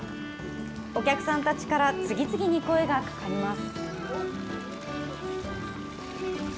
お客さんたちから次々に声がかかります。